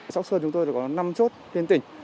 trong xưa chúng tôi có năm chốt thiên tỉnh